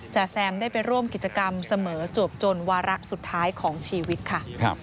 แซมได้ไปร่วมกิจกรรมเสมอจวบจนวาระสุดท้ายของชีวิตค่ะ